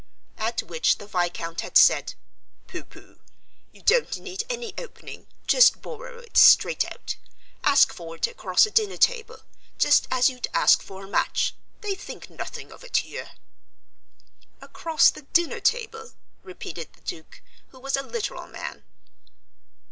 At which the Viscount had said, "Pooh, pooh! you don't need any opening. Just borrow it straight out ask for it across a dinner table, just as you'd ask for a match; they think nothing of it here." "Across the dinner table?" repeated the Duke, who was a literal man.